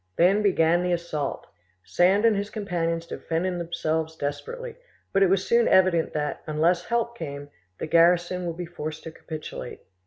Then began the assault: Sand and his companions defended themselves desperately; but it was soon evident that, unless help came, the garrison would be forced to capitulate.